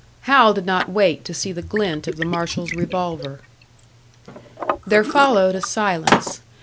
Hal did not wait to see the glint of the marshal's revolver. There followed a silence.